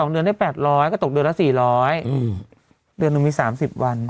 เดือนได้๘๐๐ก็ตกเดือนละ๔๐๐เดือนหนึ่งมี๓๐วัน